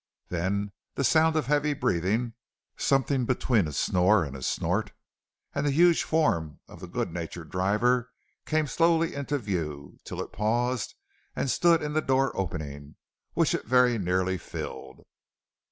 Then the sound of heavy breathing, something between a snore and a snort, and the huge form of the good natured driver came slowly into view, till it paused and stood in the door opening, which it very nearly filled.